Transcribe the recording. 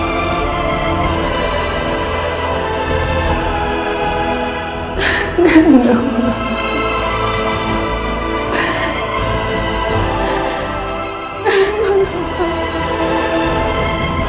dan juga bapak surya